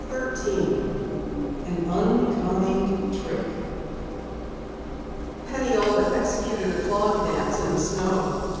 CHAPTER 13 AN UNKIND TRICK Penny all but executed a clog dance in the snow.